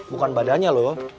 bukan badannya loh